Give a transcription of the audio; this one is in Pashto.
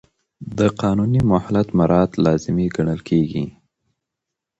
د قانوني مهلت مراعات لازمي ګڼل کېږي.